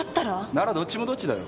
ならどっちもどっちだよ。